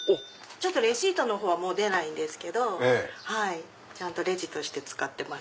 レシートの方は出ないんですけどちゃんとレジとして使ってます。